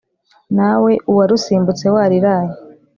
nawe uwarusimbutse wariraye